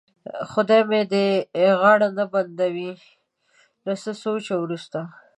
خدای مې دې غاړه نه بندوي، له څه سوچه وروسته.